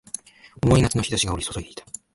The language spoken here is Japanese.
重い夏の日差しが降り注いでいた